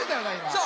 そう。